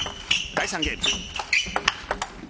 第３ゲーム。